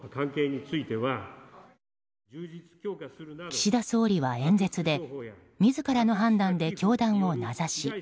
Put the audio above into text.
岸田総理は演説で自らの判断で教団を名指し。